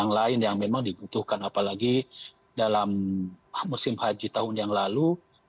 hal lain yang memang dibutuhkan apalagi dalam musim haji tahun yang lalu